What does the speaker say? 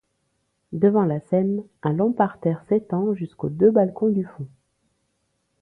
Devant la scène, un long parterre s’étend jusqu’aux deux balcons du fond.